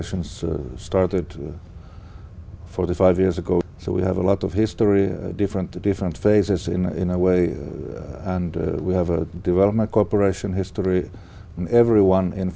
chúng tôi muốn chia sẻ với các bạn